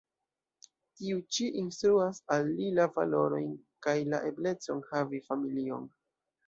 Tiu ĉi instruas al li la valorojn kaj la eblecon havi familion.